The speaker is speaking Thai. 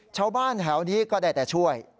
ชาวบ้านแถวนี้ก็ได้แต่ช่วย